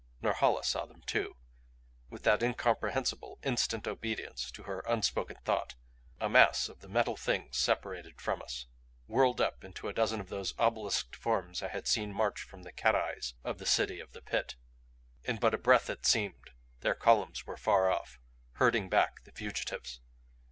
Norhala saw them too. With that incomprehensible, instant obedience to her unspoken thought a mass of the Metal Things separated from us; whirled up into a dozen of those obelisked forms I had seen march from the cat eyes of the City of the Pit. In but a breath, it seemed, their columns were far off, herding back the fugitives.